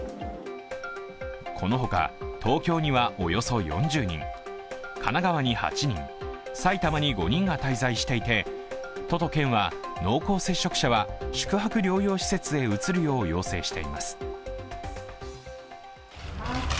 この他、東京にはおよそ４０人、神奈川に８人、埼玉に５人が滞在していて、都と県は、濃厚接触者は宿泊療養施設へ移るよう要請しています。